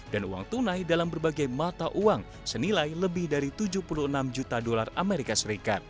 dan uang tunai dalam berbagai mata uang senilai lebih dari tujuh puluh enam juta dolar as